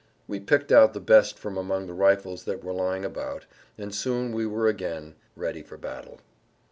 We picked out the best[Pg 100] from among the rifles that were lying about, and soon we were again "ready for battle."